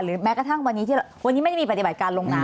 หรือแม้กระทั่งวันนี้วันนี้ไม่มีปฏิบัติการลงนานครับ